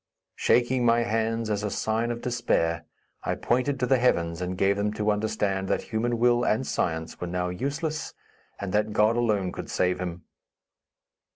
Shaking my hands as a sign of despair, I pointed to the heavens and gave them to understand that human will and science were now useless, and that God alone could save him.